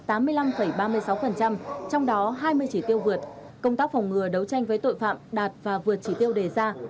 trong đó hai mươi chỉ tiêu vượt công tác phòng ngừa đấu tranh với tội phạm đạt và vượt chỉ tiêu đề ra